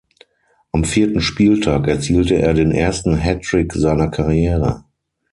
Am vierten Spieltag erzielte er den ersten Hattrick seiner Karriere.